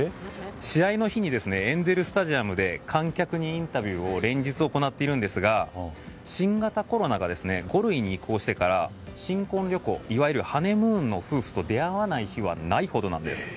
試合の日にエンゼル・スタジアムで観客にインタビューを連日行っているんですが新型コロナが５類に移行してから新婚旅行、ハネムーンの夫婦と出会わない日はないほどなんです。